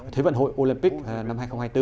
thế vận hội olympic năm hai nghìn hai mươi bốn